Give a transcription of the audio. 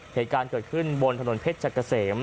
เหตุการณ์เกิดขึ้นบนถนนเพชรเกษม